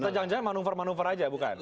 atau jangan jangan manuver manuver aja bukan